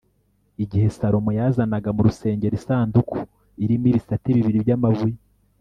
igihe salomo yazanaga mu rusengero isanduku irimo ibisate bibiri by'amabuye